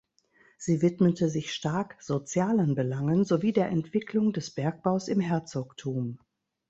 Sie widmete sich stark sozialen Belangen sowie der Entwicklung des Bergbaus im Herzogtum.